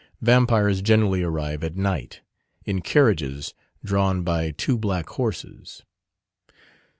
Vampires generally arrive at night, in carriages drawn by two black horses.